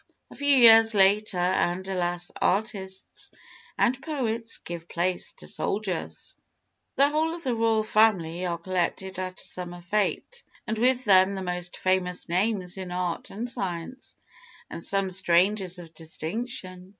A few years later, and, alas, artists and poets give place to soldiers! "The whole of the royal family are collected at a summer fête, and with them the most famous names in art and science, and some strangers of distinction.